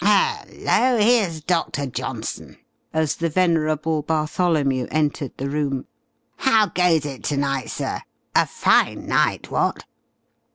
"Hello, here's Doctor Johnson," as the venerable Bartholomew entered the room. "How goes it to night, sir? A fine night, what?